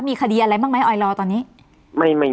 มีคดีอะไรบ้างไหมออยรอตอนนี้